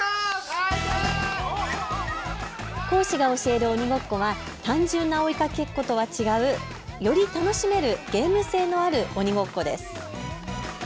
講師が教える鬼ごっこは単純な追いかけっことは違うより楽しめるゲーム性のある鬼ごっこです。